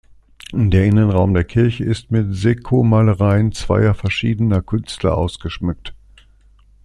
Der Innenraum der Kirche ist mit Seccomalereien zweier verschiedener Künstler ausgeschmückt.